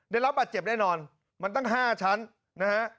ได้รับบาดเจ็บแน่นอนมันตั้ง๕ชั้นนะฮะ